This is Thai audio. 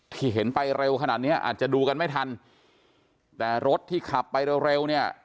เห็นไปเร็วขนาดเนี้ยอาจจะดูกันไม่ทันแต่รถที่ขับไปเร็วเร็วเนี่ย